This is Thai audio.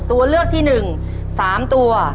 ตัวเลือกที่๑๓ตัว